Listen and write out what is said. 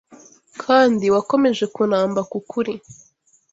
kandi wakomeje kunamba k’ukuri